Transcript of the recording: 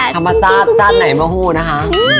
ธรรมศาสตร์จัดไหนมาหูนะคะ